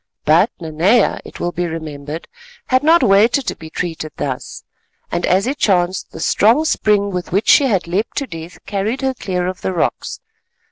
But Nanea, it will be remembered, had not waited to be treated thus, and as it chanced the strong spring with which she had leapt to death carried her clear of the rocks.